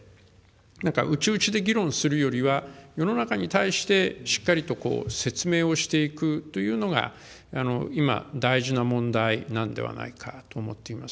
なんか、うちうちで議論するよりは、世の中に対してしっかりと説明をしていくというのが、今、大事な問題なんではないかと思っています。